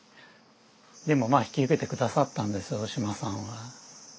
でもまあ引き受けて下さったんですよ大島さんは。